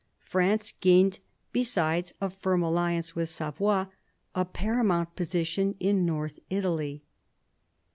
France gained, besides a firm alliance with Savoy, a paramount position in North Italy.